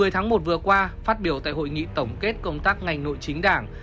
một mươi tháng một vừa qua phát biểu tại hội nghị tổng kết công tác ngành nội chính đảng